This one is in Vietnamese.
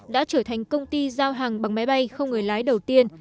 đã trở thành công ty giao hàng bằng máy bay không người lái đầu tiên